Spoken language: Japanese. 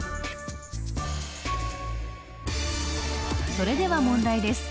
それでは問題です